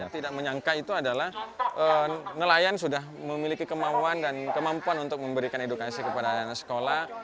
tidak menyangka itu adalah nelayan sudah memiliki kemauan dan kemampuan untuk memberikan edukasi kepada anak anak sekolah